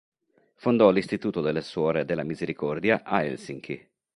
Fondò l'Istituto delle Suore della Misericordia a Helsinki.